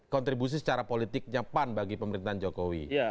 kontribusi secara politiknya pan bagi pemerintahan jokowi